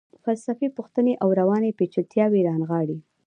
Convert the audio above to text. فلسفي پوښتنې او رواني پیچلتیاوې رانغاړي.